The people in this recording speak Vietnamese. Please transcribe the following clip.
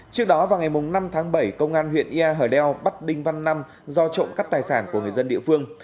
trước đó vào ngày năm tháng bảy công an huyện yà hờ đeo bắt đinh văn năm do trộm cắt tài sản của người dân địa phương